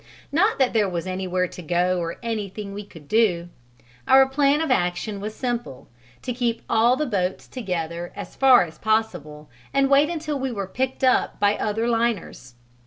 Not that there was anywhere to go or anything we could do. Our plan of action was simple: to keep all the boats together as far as possible and wait until we were picked up by other liners.